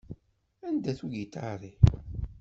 Anda-t ugiṭar-iw?